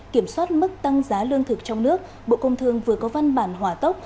kiểm soát mức tăng giá lương thực trong nước bộ công thương vừa có văn bản hỏa tốc